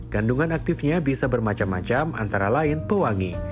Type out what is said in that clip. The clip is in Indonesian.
kandungan aktifnya bisa bermacam macam antara lain pewangi